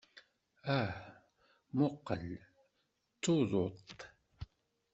Ah, mmuqqel, d tuḍut!